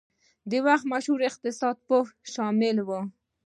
د وخت مشهور اقتصاد پوهان شامل وو.